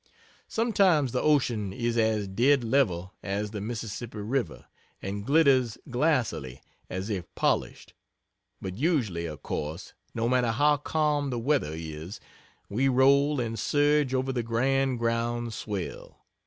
Sometimes the ocean is as dead level as the Mississippi river, and glitters glassily as if polished but usually, of course, no matter how calm the weather is, we roll and surge over the grand ground swell.